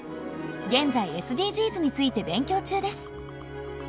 現在ＳＤＧｓについて勉強中です。